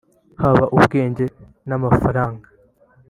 haba ubwenge n’amafaranga